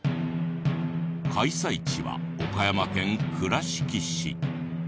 開催地は岡山県倉敷市。